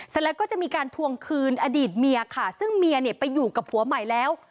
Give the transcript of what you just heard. เสร็จแล้วก็จะมีการทวงคืนอดีตเมียค่ะซึ่งเมียเนี่ยไปอยู่กับผัวใหม่แล้ว